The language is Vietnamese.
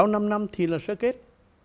sáu năm năm thì là sơ kết